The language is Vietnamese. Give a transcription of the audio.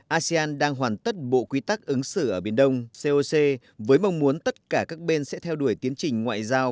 asean đang hoàn tất bộ quy tắc ứng xử ở biển đông coc với mong muốn tất cả các bên sẽ theo đuổi tiến trình ngoại giao